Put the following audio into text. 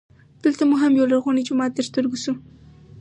دلته مو هم یولرغونی جومات تر ستر ګو سو.